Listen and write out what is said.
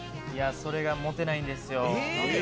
それがモテないんですよ。